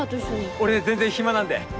俺全然暇なんで。